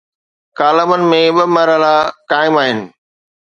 ڪالمن ۾ ٻه مرحلا قائم آهن.